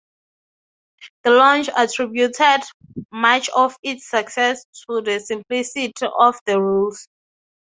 Delonge attributed much of its success to the simplicity of the rules.